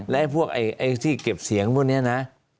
และพวกไอ้ที่เก็บเสียงพวกนี้นะ